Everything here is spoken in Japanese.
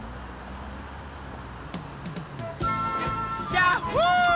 ひゃっほ！